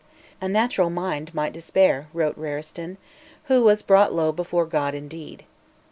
"A natural mind might despair," wrote Waristoun, who "was brought low before God indeed."